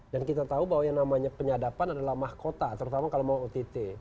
kita tahu bahwa yang namanya penyadapan adalah mahkota terutama kalau mau ott